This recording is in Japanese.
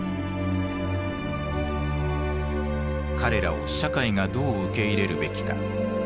彼らを社会がどう受け入れるべきか。